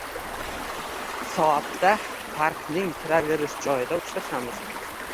- Soat da parkning kiraverish joyida uchrashamiz.